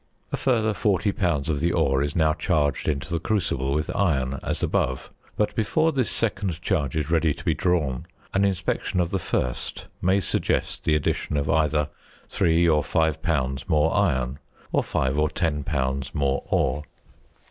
A further 40 lbs. of the ore is now charged into the crucible with iron as above; but before this second charge is ready to be drawn an inspection of the first may suggest the addition of either 3 or 5 lbs. more iron, or 5 or 10 lbs. more ore.